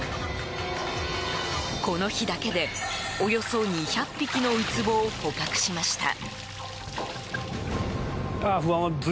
この日だけで、およそ２００匹のウツボを捕獲しました。